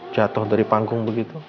jatuh dari panggung begitu